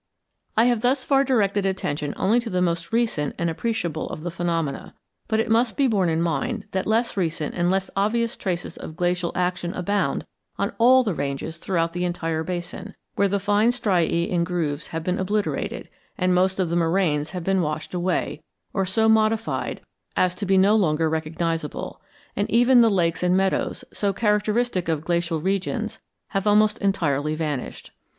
I have thus far directed attention only to the most recent and appreciable of the phenomena; but it must be borne in mind that less recent and less obvious traces of glacial action abound on all the ranges throughout the entire basin, where the fine striae and grooves have been obliterated, and most of the moraines have been washed away, or so modified as to be no longer recognizable, and even the lakes and meadows, so characteristic of glacial regions, have almost entirely vanished.